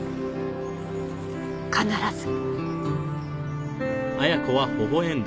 必ず。